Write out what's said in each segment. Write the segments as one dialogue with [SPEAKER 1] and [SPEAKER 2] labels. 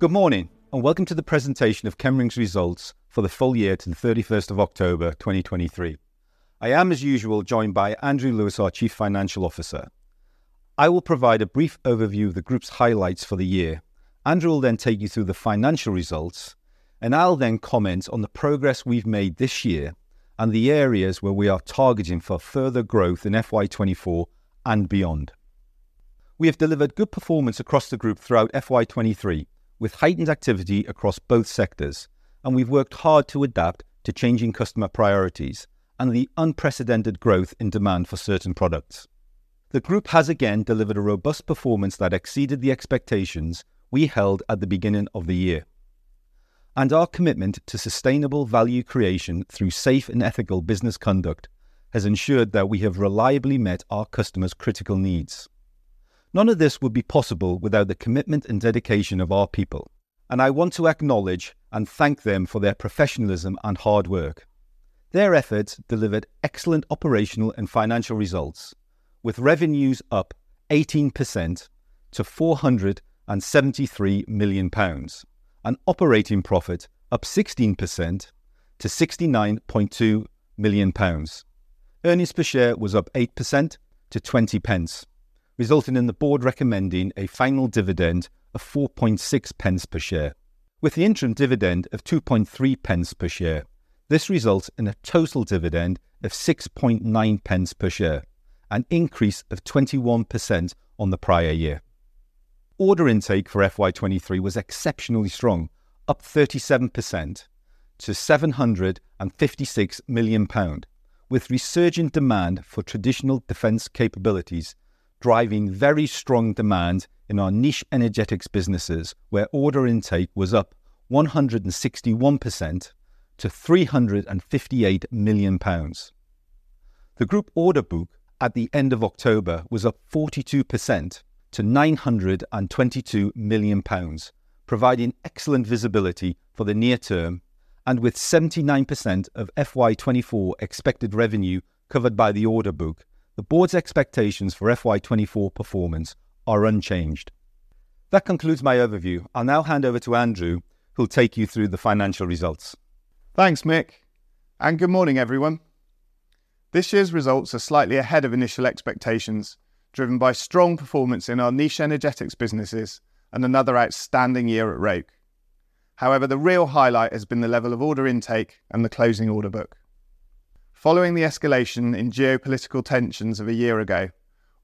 [SPEAKER 1] Good morning, and welcome to the presentation of Chemring's results for the full year to the 31st of October, 2023. I am, as usual, joined by Andrew Lewis, our Chief Financial Officer. I will provide a brief overview of the group's highlights for the year. Andrew will then take you through the financial results, and I'll then comment on the progress we've made this year and the areas where we are targeting for further growth in FY 2024 and beyond. We have delivered good performance across the group throughout FY 2023, with heightened activity across both sectors, and we've worked hard to adapt to changing customer priorities and the unprecedented growth in demand for certain products. The group has again delivered a robust performance that exceeded the expectations we held at the beginning of the year, and our commitment to sustainable value creation through safe and ethical business conduct has ensured that we have reliably met our customers' critical needs. None of this would be possible without the commitment and dedication of our people, and I want to acknowledge and thank them for their professionalism and hard work. Their efforts delivered excellent operational and financial results, with revenues up 18% to 473 million pounds, and operating profit up 16% to 69.2 million pounds. Earnings per share was up 8% to 0.20, resulting in the board recommending a final dividend of 0.046 per share. With the interim dividend of 0.023 per share, this results in a total dividend of 0.069 per share, an increase of 21% on the prior year. Order intake for FY 2023 was exceptionally strong, up 37% to 756 million pound, with resurgent demand for traditional defense capabilities, driving very strong demand in our niche energetics businesses, where order intake was up 161% to 358 million pounds. The group order book at the end of October was up 42% to 922 million pounds, providing excellent visibility for the near term, and with 79% of FY 2024 expected revenue covered by the order book. The board's expectations for FY 2024 performance are unchanged. That concludes my overview. I'll now hand over to Andrew, who'll take you through the financial results.
[SPEAKER 2] Thanks, Mick, and good morning, everyone. This year's results are slightly ahead of initial expectations, driven by strong performance in our niche energetics businesses and another outstanding year at Roke. However, the real highlight has been the level of order intake and the closing order book. Following the escalation in geopolitical tensions of a year ago,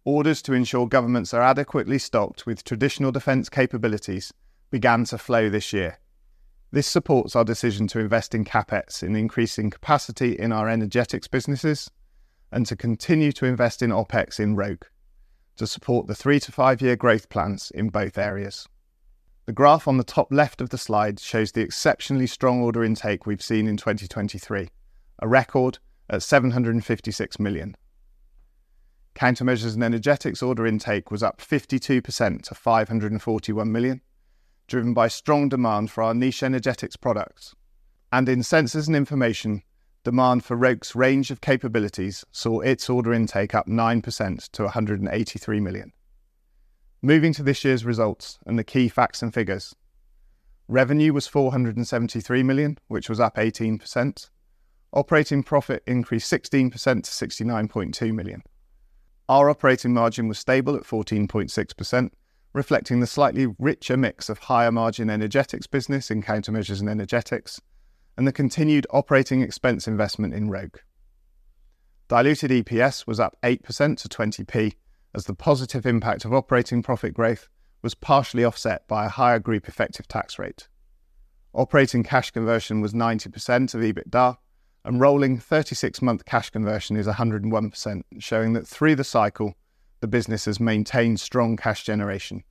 [SPEAKER 2] orders to ensure governments are adequately stocked with traditional defense capabilities began to flow this year. This supports our decision to invest in CapEx, in increasing capacity in our energetics businesses, and to continue to invest in OpEx in Roke to support the three to five-year growth plans in both areas. The graph on the top left of the slide shows the exceptionally strong order intake we've seen in 2023, a record at 756 million. Countermeasures and energetics order intake was up 52% to 541 million, driven by strong demand for our niche energetics products. In Sensors and Information, demand for Roke's range of capabilities saw its order intake up 9% to 183 million. Moving to this year's results and the key facts and figures. Revenue was 473 million, which was up 18%. Operating profit increased 16% to 69.2 million. Our operating margin was stable at 14.6%, reflecting the slightly richer mix of higher-margin energetics business in Countermeasures and Energetics, and the continued operating expense investment in Roke. Diluted EPS was up 8% to 20p, as the positive impact of operating profit growth was partially offset by a higher group effective tax rate. Operating cash conversion was 90% of EBITDA, and rolling 36-month cash conversion is 101%, showing that through the cycle, the business has maintained strong cash generation.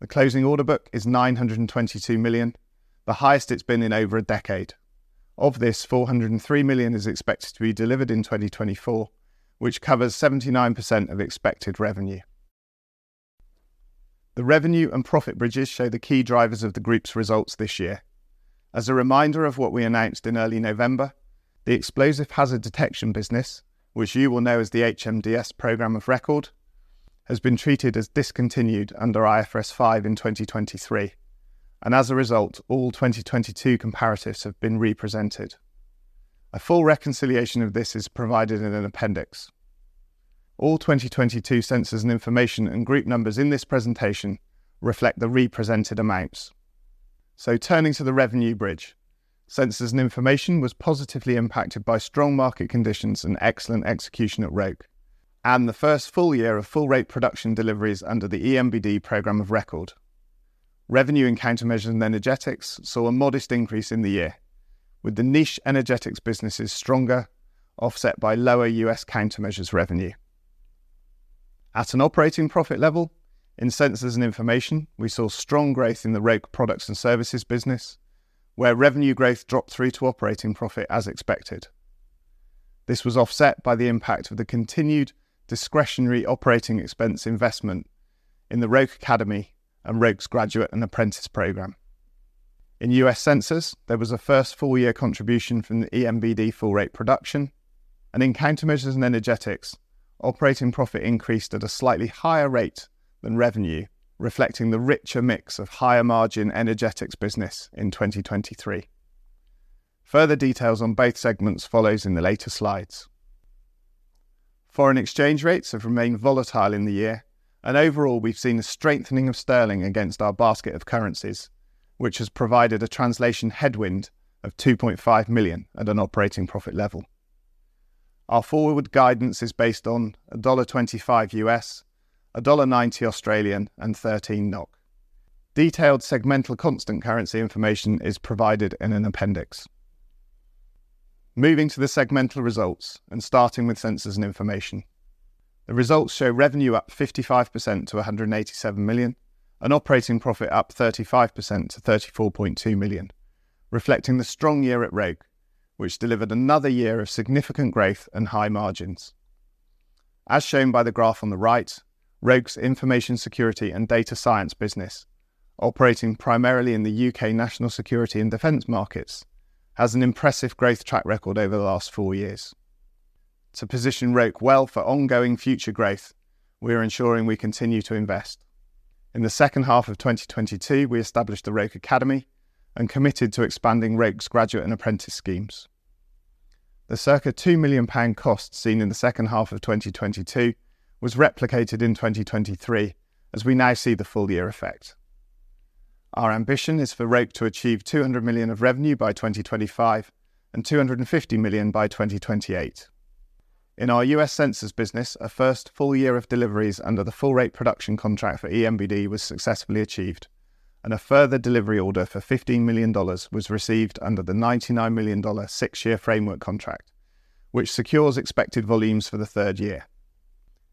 [SPEAKER 2] The closing order book is 922 million, the highest it's been in over a decade. Of this, 403 million is expected to be delivered in 2024, which covers 79% of expected revenue. The revenue and profit bridges show the key drivers of the group's results this year. As a reminder of what we announced in early November, the Explosive Hazard Detection business, which you will know as the HMDS program of record, has been treated as discontinued under IFRS 5 in 2023, and as a result, all 2022 comparatives have been represented. A full reconciliation of this is provided in an appendix. All 2022 Sensors and Information and group numbers in this presentation reflect the represented amounts. So turning to the revenue bridge, Sensors and Information was positively impacted by strong market conditions and excellent execution at Roke, and the first full year of full rate production deliveries under the EMBD program of record. Revenue and Countermeasures and Energetics saw a modest increase in the year, with the niche energetics businesses stronger, offset by lower U.S. countermeasures revenue. At an operating profit level, in Sensors and Information, we saw strong growth in the Roke products and services business, where revenue growth dropped through to operating profit as expected. This was offset by the impact of the continued discretionary operating expense investment in the Roke Academy and Roke's graduate and apprentice programs.... In US Sensors, there was a first full-year contribution from the EMBD full-rate production, and in Countermeasures and Energetics, operating profit increased at a slightly higher rate than revenue, reflecting the richer mix of higher-margin energetics business in 2023. Further details on both segments follow in the later slides. Foreign exchange rates have remained volatile in the year, and overall, we've seen a strengthening of sterling against our basket of currencies, which has provided a translation headwind of 2.5 million at an operating profit level. Our forward guidance is based on $1.25 USD, dollar 1.90, and 13 NOK. Detailed segmental constant currency information is provided in an appendix. Moving to the segmental results and starting with Sensors and Information, the results show revenue up 55% to 187 million, and operating profit up 35% to 34.2 million, reflecting the strong year at Roke, which delivered another year of significant growth and high margins. As shown by the graph on the right, Roke's information security and data science business, operating primarily in the U.K. national security and defense markets, has an impressive growth track record over the last four years. To position Roke well for ongoing future growth, we are ensuring we continue to invest. In the second half of 2022, we established the Roke Academy and committed to expanding Roke's graduate and apprentice schemes. The circa 2 million pound cost seen in the second half of 2022 was replicated in 2023, as we now see the full-year effect. Our ambition is for Roke to achieve 200 million of revenue by 2025 and 250 million by 2028. In our US Sensors business, a first full year of deliveries under the full rate production contract for EMBD was successfully achieved, and a further delivery order for $15 million was received under the $99 million six-year framework contract, which secures expected volumes for the third year.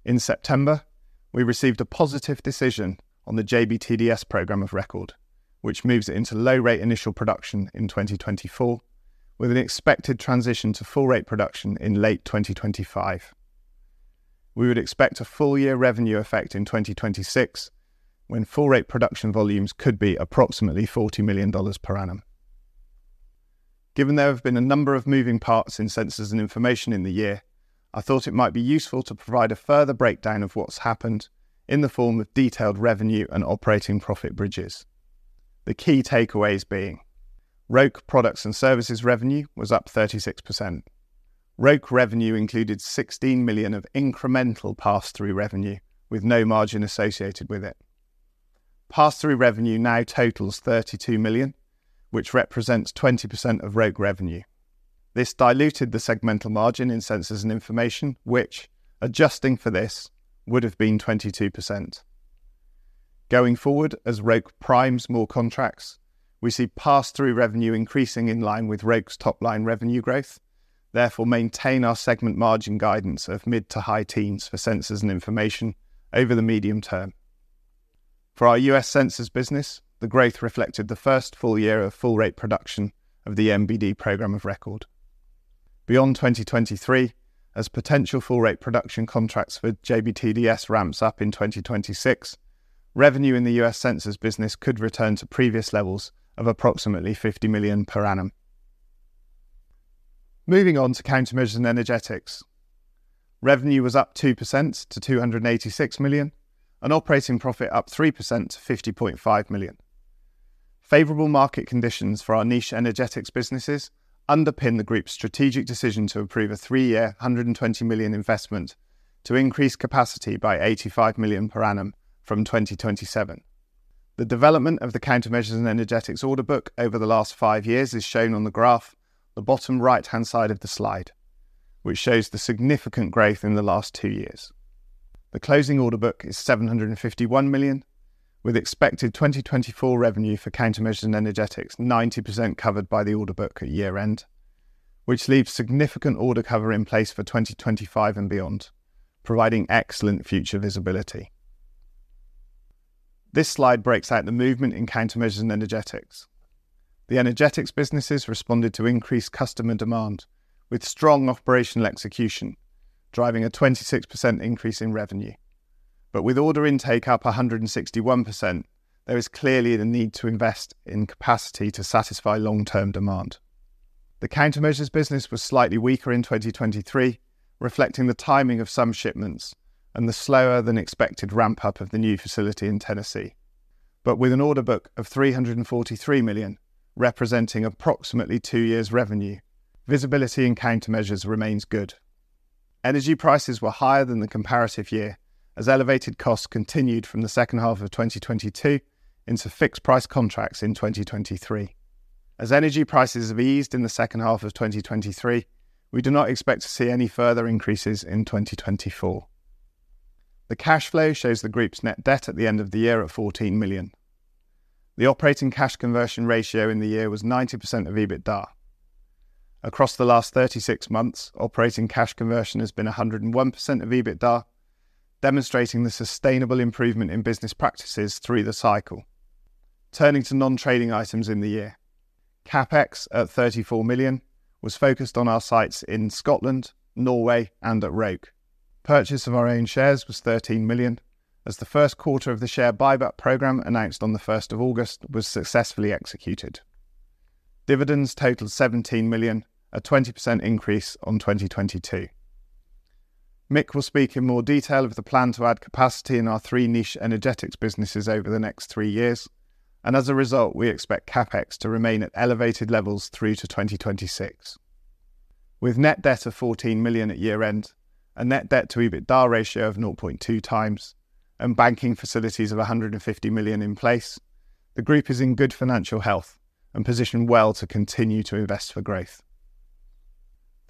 [SPEAKER 2] In September, we received a positive decision on the JBTDS program of record, which moves it into low-rate initial production in 2024, with an expected transition to full-rate production in late 2025. We would expect a full-year revenue effect in 2026, when full-rate production volumes could be approximately $40 million per annum. Given there have been a number of moving parts in Sensors and Information in the year, I thought it might be useful to provide a further breakdown of what's happened in the form of detailed revenue and operating profit bridges. The key takeaways being: Roke products and services revenue was up 36%. Roke revenue included 16 million of incremental pass-through revenue, with no margin associated with it. Pass-through revenue now totals 32 million, which represents 20% of Roke revenue. This diluted the segmental margin in Sensors and Information, which, adjusting for this, would have been 22%. Going forward, as Roke primes more contracts, we see pass-through revenue increasing in line with Roke's top-line revenue growth, therefore, maintain our segment margin guidance of mid- to high-teens % for Sensors and Information over the medium term. For our US Sensors business, the growth reflected the first full year of full-rate production of the EMBD program of record. Beyond 2023, as potential full-rate production contracts for JBTDS ramps up in 2026, revenue in the US Sensors business could return to previous levels of approximately 50 million per annum. Moving on to Countermeasures and Energetics. Revenue was up 2% to 286 million, and operating profit up 3% to 50.5 million. Favorable market conditions for our niche energetics businesses underpin the group's strategic decision to approve a three-year, 120 million investment to increase capacity by 85 million per annum from 2027. The development of the Countermeasures and Energetics order book over the last five years is shown on the graph, the bottom right-hand side of the slide, which shows the significant growth in the last two years. The closing order book is 751 million, with expected 2024 revenue for Countermeasures and Energetics 90% covered by the order book at year-end, which leaves significant order cover in place for 2025 and beyond, providing excellent future visibility. This slide breaks out the movement in Countermeasures and Energetics. The energetics businesses responded to increased customer demand, with strong operational execution, driving a 26% increase in revenue. But with order intake up 161%, there is clearly the need to invest in capacity to satisfy long-term demand. The Countermeasures business was slightly weaker in 2023, reflecting the timing of some shipments and the slower-than-expected ramp-up of the new facility in Tennessee. But with an order book of 343 million, representing approximately 2 years' revenue, visibility in Countermeasures remains good. Energy prices were higher than the comparative year, as elevated costs continued from the second half of 2022 into fixed-price contracts in 2023. As energy prices have eased in the second half of 2023, we do not expect to see any further increases in 2024. The cash flow shows the group's net debt at the end of the year at 14 million. The operating cash conversion ratio in the year was 90% of EBITDA. Across the last 36 months, operating cash conversion has been 101% of EBITDA, demonstrating the sustainable improvement in business practices through the cycle. Turning to non-trading items in the year. CapEx at 34 million was focused on our sites in Scotland, Norway, and at Roke. Purchase of our own shares was 13 million, as the first quarter of the share buyback program announced on the first of August was successfully executed. Dividends totaled 17 million, a 20% increase on 2022. Mick will speak in more detail of the plan to add capacity in our three niche energetics businesses over the next three years, and as a result, we expect CapEx to remain at elevated levels through to 2026. With net debt of 14 million at year-end, a net debt to EBITDA ratio of 0.2x, and banking facilities of 150 million in place, the group is in good financial health and positioned well to continue to invest for growth.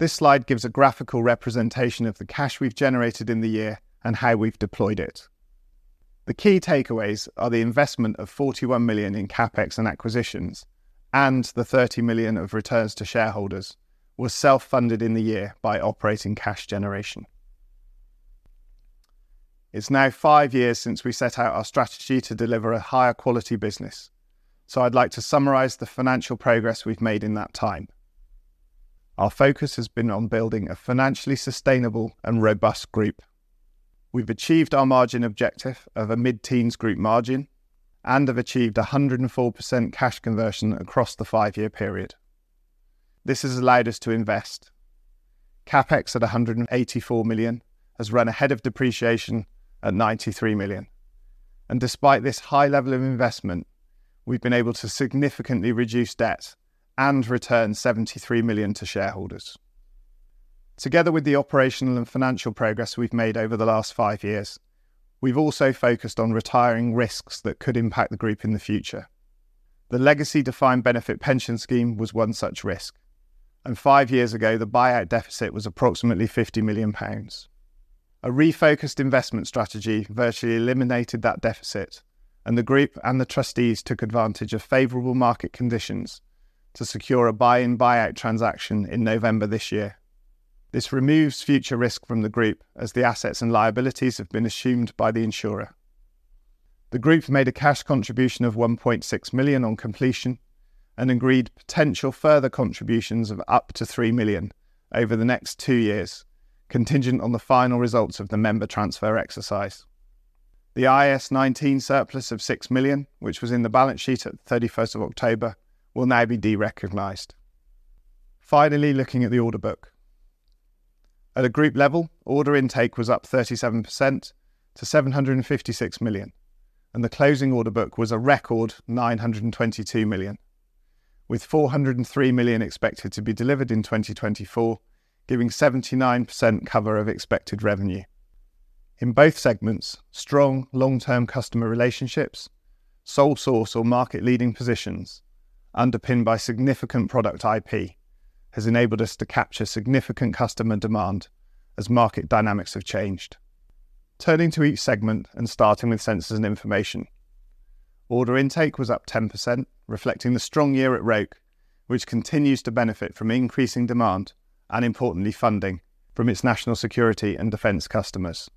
[SPEAKER 2] This slide gives a graphical representation of the cash we've generated in the year and how we've deployed it. The key takeaways are the investment of 41 million in CapEx and acquisitions, and the 30 million of returns to shareholders was self-funded in the year by operating cash generation. It's now 5 years since we set out our strategy to deliver a higher quality business, so I'd like to summarize the financial progress we've made in that time. Our focus has been on building a financially sustainable and robust group. We've achieved our margin objective of a mid-teens group margin and have achieved 104% cash conversion across the 5-year period. This has allowed us to invest. CapEx at 184 million has run ahead of depreciation at 93 million, and despite this high level of investment, we've been able to significantly reduce debt and return 73 million to shareholders. Together with the operational and financial progress we've made over the last five years, we've also focused on retiring risks that could impact the group in the future. The legacy defined benefit pension scheme was one such risk, and five years ago, the buyout deficit was approximately 50 million pounds. A refocused investment strategy virtually eliminated that deficit, and the group and the trustees took advantage of favorable market conditions to secure a buy-in, buy-out transaction in November this year. This removes future risk from the group as the assets and liabilities have been assumed by the insurer. The group made a cash contribution of 1.6 million on completion and agreed potential further contributions of up to 3 million over the next two years, contingent on the final results of the member transfer exercise. The IAS 19 surplus of 6 million, which was in the balance sheet at the 31st of October, will now be de-recognized. Finally, looking at the order book. At a group level, order intake was up 37% to 756 million, and the closing order book was a record 922 million, with 403 million expected to be delivered in 2024, giving 79% cover of expected revenue. In both segments, strong long-term customer relationships, sole source or market-leading positions, underpinned by significant product IP, has enabled us to capture significant customer demand as market dynamics have changed. Turning to each segment and starting with Sensors and Information. Order intake was up 10%, reflecting the strong year at Roke, which continues to benefit from increasing demand and, importantly, funding from its national security and defense customers.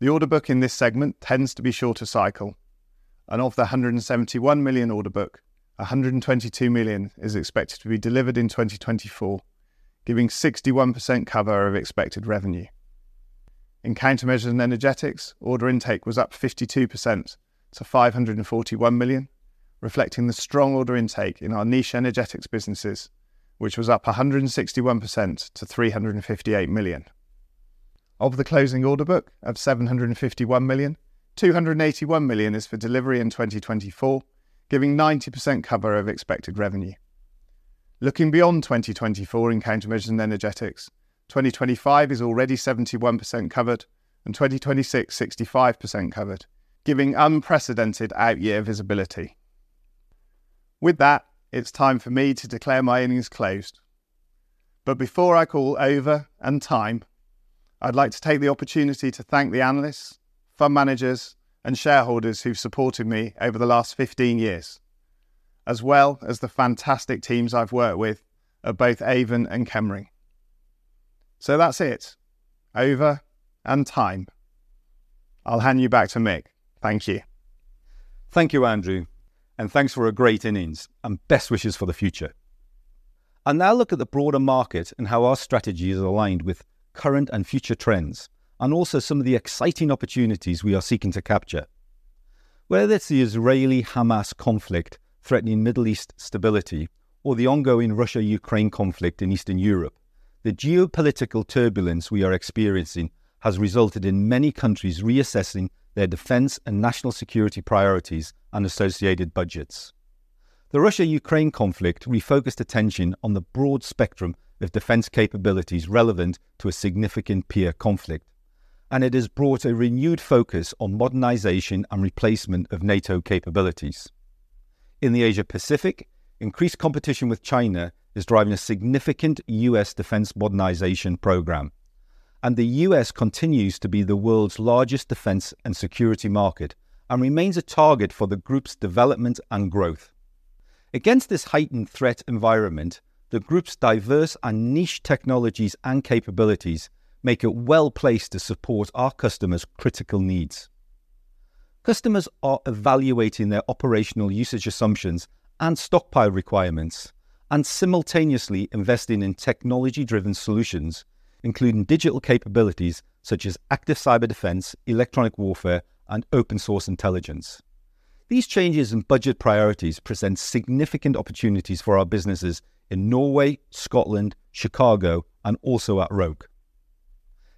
[SPEAKER 2] The order book in this segment tends to be shorter cycle, and of the 171 million order book, 122 million is expected to be delivered in 2024, giving 61% cover of expected revenue. In Countermeasures and Energetics, order intake was up 52% to 541 million, reflecting the strong order intake in our niche energetics businesses, which was up 161% to 358 million. Of the closing order book of 751 million, 281 million is for delivery in 2024, giving 90% cover of expected revenue. Looking beyond 2024 in Countermeasures and Energetics, 2025 is already 71% covered, and 2026, 65% covered, giving unprecedented out-year visibility. With that, it's time for me to declare my innings closed. But before I call over and time, I'd like to take the opportunity to thank the analysts, fund managers, and shareholders who've supported me over the last 15 years, as well as the fantastic teams I've worked with at both Avon and Chemring. So that's it. Over and time. I'll hand you back to Mick. Thank you.
[SPEAKER 1] Thank you, Andrew, and thanks for a great innings, and best wishes for the future. I'll now look at the broader market and how our strategy is aligned with current and future trends, and also some of the exciting opportunities we are seeking to capture. Whether it's the Israel-Hamas conflict threatening Middle East stability or the ongoing Russia-Ukraine conflict in Eastern Europe, the geopolitical turbulence we are experiencing has resulted in many countries reassessing their defense and national security priorities and associated budgets. The Russia-Ukraine conflict refocused attention on the broad spectrum of defense capabilities relevant to a significant peer conflict, and it has brought a renewed focus on modernization and replacement of NATO capabilities. In the Asia-Pacific, increased competition with China is driving a significant US defense modernization program, and the US continues to be the world's largest defense and security market and remains a target for the group's development and growth. Against this heightened threat environment, the group's diverse and niche technologies and capabilities make it well-placed to support our customers' critical needs.... Customers are evaluating their operational usage assumptions and stockpile requirements, and simultaneously investing in technology-driven solutions, including digital capabilities such as active cyber defense, electronic warfare, and open source intelligence. These changes in budget priorities present significant opportunities for our businesses in Norway, Scotland, Chicago, and also at Roke.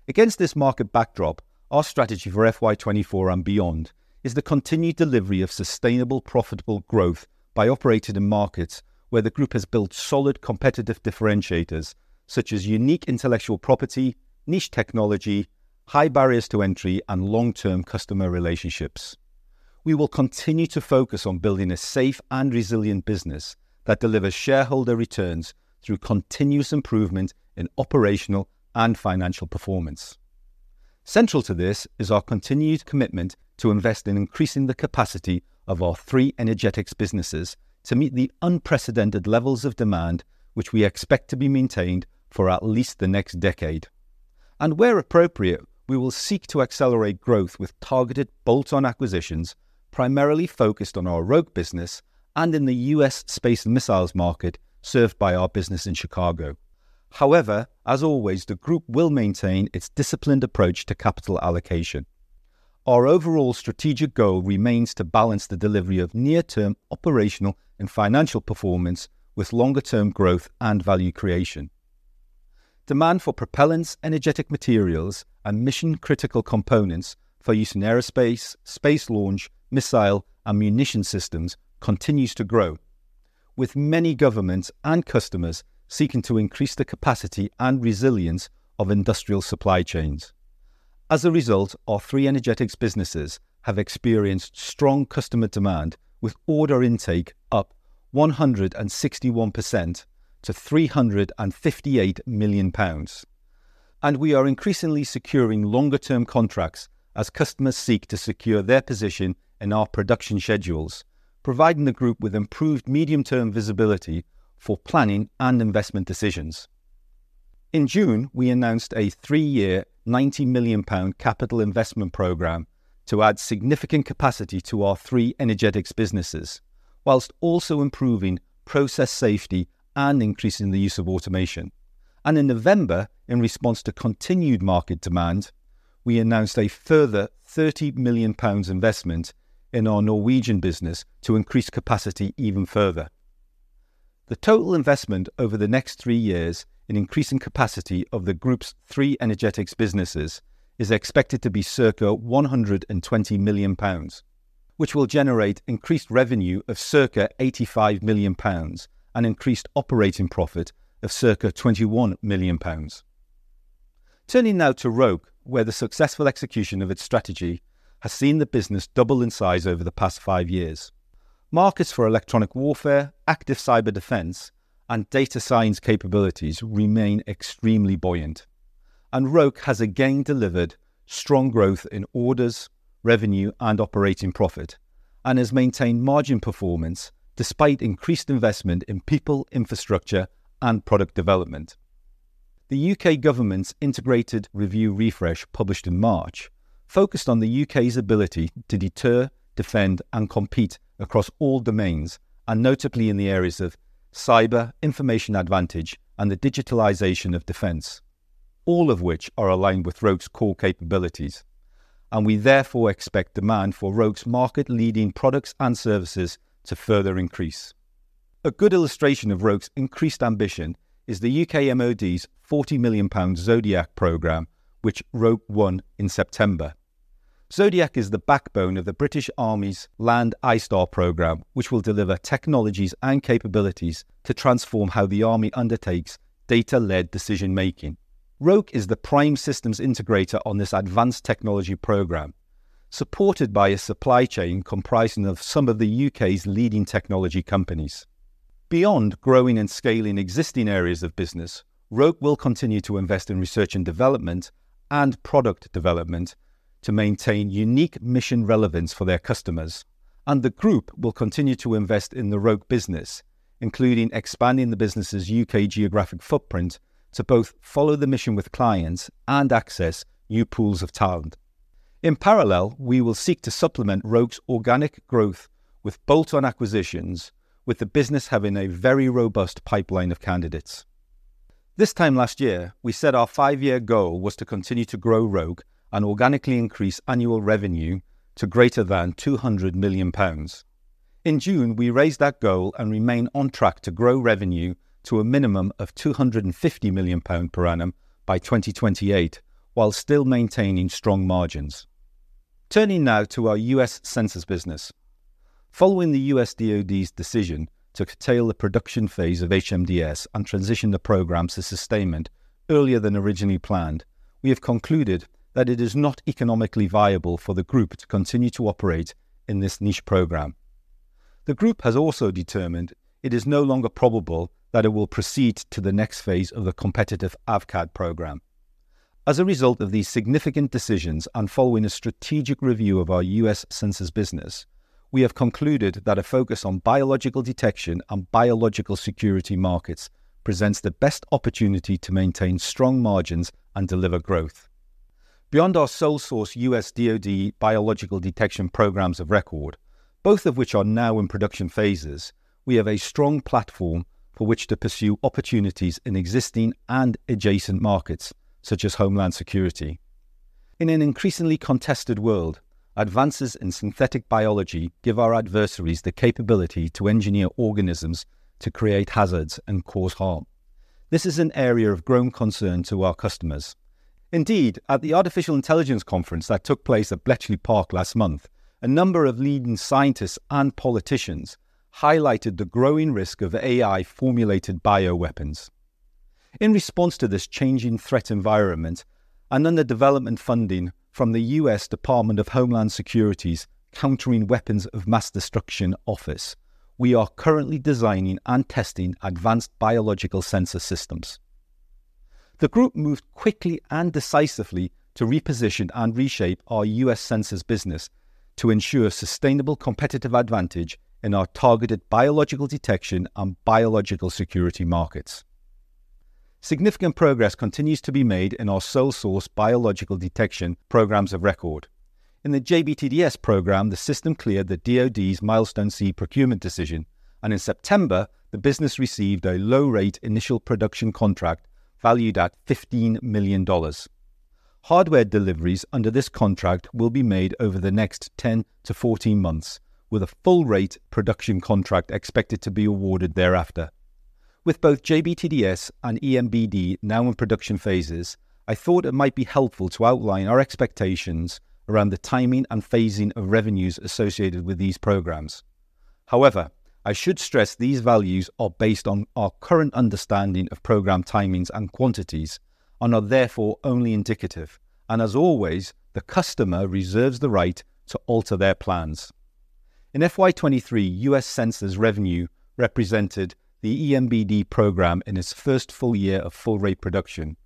[SPEAKER 1] Against this market backdrop, our strategy for FY 2024 and beyond is the continued delivery of sustainable, profitable growth by operating in markets where the group has built solid competitive differentiators, such as unique intellectual property, niche technology, high barriers to entry, and long-term customer relationships. We will continue to focus on building a safe and resilient business that delivers shareholder returns through continuous improvement in operational and financial performance. Central to this is our continued commitment to invest in increasing the capacity of our three energetics businesses to meet the unprecedented levels of demand, which we expect to be maintained for at least the next decade. Where appropriate, we will seek to accelerate growth with targeted bolt-on acquisitions, primarily focused on our Roke business and in the U.S. space and missiles market served by our business in Chicago. However, as always, the group will maintain its disciplined approach to capital allocation. Our overall strategic goal remains to balance the delivery of near-term operational and financial performance with longer term growth and value creation. Demand for propellants, energetic materials, and mission-critical components for use in aerospace, space launch, missile, and munition systems continues to grow, with many governments and customers seeking to increase the capacity and resilience of industrial supply chains. As a result, our three energetics businesses have experienced strong customer demand, with order intake up 161% to 358 million pounds. We are increasingly securing longer term contracts as customers seek to secure their position in our production schedules, providing the group with improved medium-term visibility for planning and investment decisions. In June, we announced a 3-year, 90 million pound capital investment program to add significant capacity to our three energetics businesses, while also improving process safety and increasing the use of automation. In November, in response to continued market demand, we announced a further 30 million pounds investment in our Norwegian business to increase capacity even further. The total investment over the next three years in increasing capacity of the group's three energetics businesses is expected to be circa 120 million pounds, which will generate increased revenue of circa 85 million pounds and increased operating profit of circa 21 million pounds. Turning now to Roke, where the successful execution of its strategy has seen the business double in size over the past five years. Markets for electronic warfare, active cyber defense, and data science capabilities remain extremely buoyant, and Roke has again delivered strong growth in orders, revenue, and operating profit, and has maintained margin performance despite increased investment in people, infrastructure, and product development. The U.K. government's Integrated Review Refresh, published in March, focused on the U.K.'s ability to deter, defend, and compete across all domains, and notably in the areas of cyber, information advantage, and the digitalization of defense, all of which are aligned with Roke's core capabilities. We therefore expect demand for Roke's market-leading products and services to further increase. A good illustration of Roke's increased ambition is the U.K. MOD's 40 million pounds Zodiac program, which Roke won in September. Zodiac is the backbone of the British Army's Land ISTAR program, which will deliver technologies and capabilities to transform how the army undertakes data-led decision making. Roke is the prime systems integrator on this advanced technology program, supported by a supply chain comprising of some of the U.K.'s leading technology companies. Beyond growing and scaling existing areas of business, Roke will continue to invest in research and development and product development to maintain unique mission relevance for their customers. The group will continue to invest in the Roke business, including expanding the business's U.K. geographic footprint to both follow the mission with clients and access new pools of talent. In parallel, we will seek to supplement Roke's organic growth with bolt-on acquisitions, with the business having a very robust pipeline of candidates. This time last year, we said our five-year goal was to continue to grow Roke and organically increase annual revenue to greater than 200 million pounds. In June, we raised that goal and remain on track to grow revenue to a minimum of 250 million pound per annum by 2028, while still maintaining strong margins. Turning now to our U.S. Sensors business. Following the U.S. DoD's decision to curtail the production phase of HMDS and transition the program to sustainment earlier than originally planned, we have concluded that it is not economically viable for the group to continue to operate in this niche program. The group has also determined it is no longer probable that it will proceed to the next phase of the competitive AVCAD program. As a result of these significant decisions and following a strategic review of our U.S. Sensors business,... We have concluded that a focus on biological detection and biological security markets presents the best opportunity to maintain strong margins and deliver growth. Beyond our sole source, U.S. DoD biological detection programs of record, both of which are now in production phases, we have a strong platform for which to pursue opportunities in existing and adjacent markets, such as homeland security. In an increasingly contested world, advances in synthetic biology give our adversaries the capability to engineer organisms to create hazards and cause harm. This is an area of growing concern to our customers. Indeed, at the Artificial Intelligence Conference that took place at Bletchley Park last month, a number of leading scientists and politicians highlighted the growing risk of AI-formulated bioweapons. In response to this changing threat environment, and under development funding from the U.S. Department of Homeland Security's Countering Weapons of Mass Destruction Office, we are currently designing and testing advanced biological sensor systems. The group moved quickly and decisively to reposition and reshape our US sensors business to ensure sustainable competitive advantage in our targeted biological detection and biological security markets. Significant progress continues to be made in our sole source biological detection programs of record. In the JBTDS program, the system cleared the DoD's Milestone C procurement decision, and in September, the business received a low-rate initial production contract valued at $15 million. Hardware deliveries under this contract will be made over the next 10-14 months, with a full rate production contract expected to be awarded thereafter. With both JBTDS and EMBD now in production phases, I thought it might be helpful to outline our expectations around the timing and phasing of revenues associated with these programs. However, I should stress these values are based on our current understanding of program timings and quantities and are therefore only indicative, and as always, the customer reserves the right to alter their plans. In FY 2023, US Sensors revenue represented the EMBD program in its first full year of full rate production.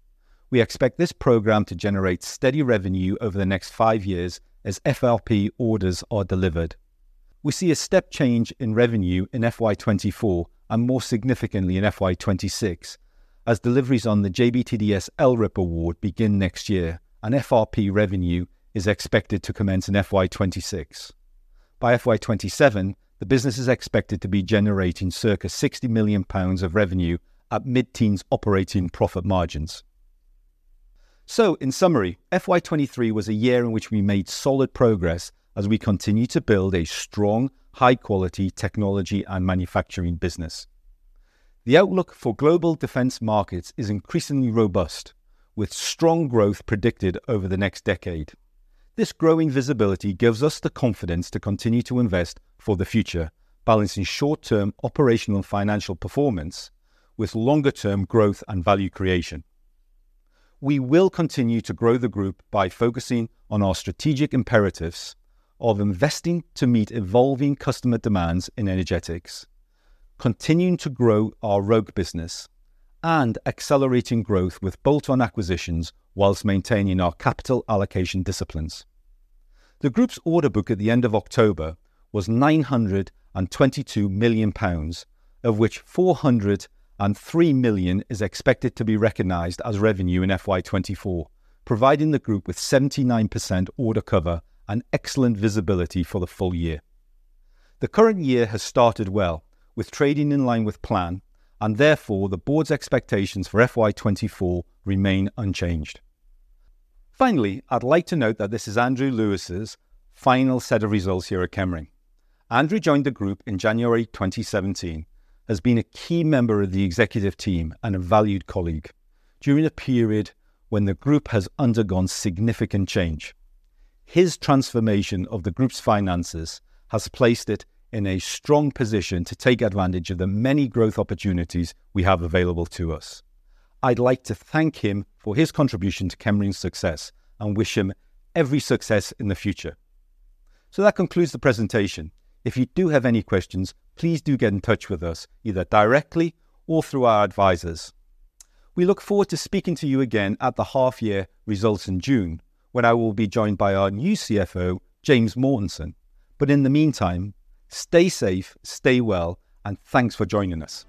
[SPEAKER 1] We expect this program to generate steady revenue over the next 5 years as FRP orders are delivered. We see a step change in revenue in FY 2024, and more significantly in FY 2026, as deliveries on the JBTDS LRIP award begin next year, and FRP revenue is expected to commence in FY 2026. By FY 2027, the business is expected to be generating circa 60 million pounds of revenue at mid-teens operating profit margins. So in summary, FY 2023 was a year in which we made solid progress as we continue to build a strong, high-quality technology and manufacturing business. The outlook for global defense markets is increasingly robust, with strong growth predicted over the next decade. This growing visibility gives us the confidence to continue to invest for the future, balancing short-term operational financial performance with longer-term growth and value creation. We will continue to grow the group by focusing on our strategic imperatives of investing to meet evolving customer demands in energetics, continuing to grow our Roke business, and accelerating growth with bolt-on acquisitions while maintaining our capital allocation disciplines. The group's order book at the end of October was 922 million pounds, of which 403 million is expected to be recognized as revenue in FY 2024, providing the group with 79% order cover and excellent visibility for the full year. The current year has started well, with trading in line with plan, and therefore, the board's expectations for FY 2024 remain unchanged. Finally, I'd like to note that this is Andrew Lewis's final set of results here at Chemring. Andrew joined the group in January 2017, has been a key member of the executive team and a valued colleague during a period when the group has undergone significant change. His transformation of the group's finances has placed it in a strong position to take advantage of the many growth opportunities we have available to us. I'd like to thank him for his contribution to Chemring's success and wish him every success in the future. So that concludes the presentation. If you do have any questions, please do get in touch with us, either directly or through our advisors. We look forward to speaking to you again at the half year results in June, when I will be joined by our new CFO, James Mortensen. But in the meantime, stay safe, stay well, and thanks for joining us.